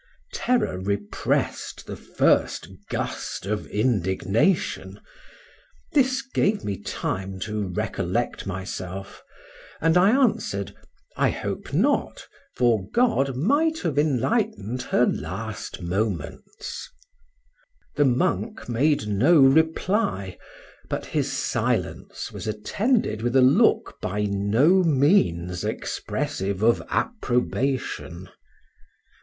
Terror repressed the first gust of indignation; this gave me time to recollect myself, and I answered, I hope not, for God might have enlightened her last moments. The monk made no reply, but his silence was attended with a look by no means expressive of approbation.